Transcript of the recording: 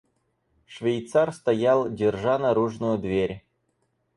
Швейцар стоял, держа наружную дверь.